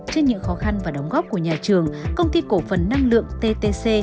trên những khó khăn và đóng góp của nhà trường công ty cổ phần năng lượng ttc